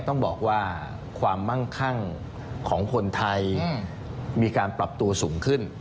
ต้องบอกว่าความมั่งคั่งของคนไทยมีการปรับตัวสูงขึ้น